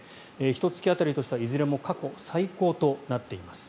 ひと月当たりとしてはいずれも過去最高となっています。